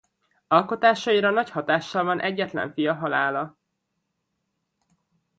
Alkotásaira nagy hatással van egyetlen fia halála.